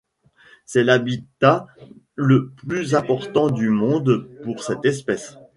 C'est l'habitat le plus important du monde pour cette espèce.